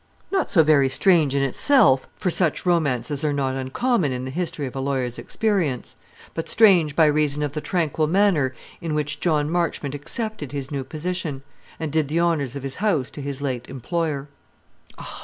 Not so very strange in itself, for such romances are not uncommon in the history of a lawyer's experience; but strange by reason of the tranquil manner in which John Marchmont accepted his new position, and did the honours of his house to his late employer.